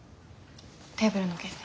テーブルの件で。